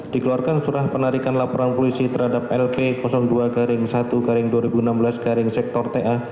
dikeluarkan surat penarikan laporan polisi terhadap lp dua satu dua ribu enam belas sektorta